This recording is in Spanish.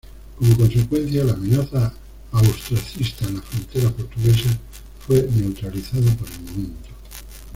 Como consecuencia la amenaza austracista en la frontera portuguesa fue neutralizada por el momento.